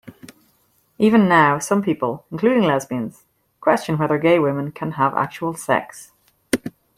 Even now, some people-including lesbians-question whether gay women can have actual sex.